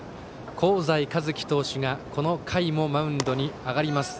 香西一希投手がこの回もマウンドに上がります。